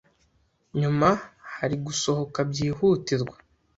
Inyuma hari gusohoka byihutirwa.